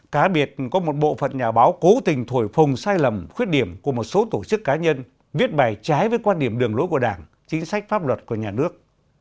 cá biệt có một bộ phận nhà báo cố tình thổi phồng sai lầm khuyết điểm của một số tổ chức cá nhân viết bài trái với quan điểm đường lối của đảng chính sách pháp luật của nhà nước